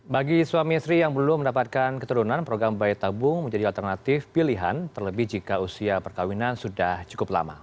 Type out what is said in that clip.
bagi suami istri yang belum mendapatkan keturunan program bayi tabung menjadi alternatif pilihan terlebih jika usia perkawinan sudah cukup lama